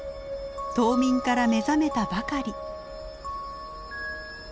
冬眠から目覚めたばかり。